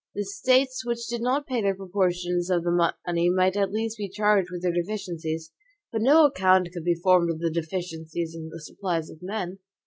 The States which did not pay their proportions of money might at least be charged with their deficiencies; but no account could be formed of the deficiencies in the supplies of men.